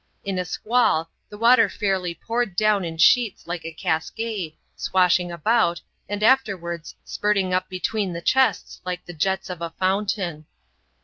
In a squall, the water fairly poured down in sheets like a cascade, swashing about, and afterwards spirting up between the chests like the jets of a fountain.